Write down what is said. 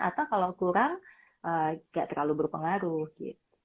atau kalau kurang gak terlalu berpengaruh gitu